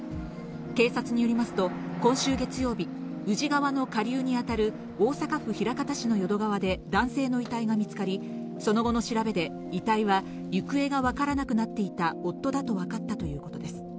警察によりますと、今週月曜日、宇治川の下流に当たる大阪府枚方市の淀川で、男性の遺体が見つかり、その後の調べで、遺体は、行方が分からなくなっていた夫だと分かったということです。